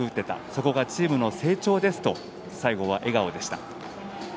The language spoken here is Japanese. そこがチームの成長ですと最後は笑顔でした。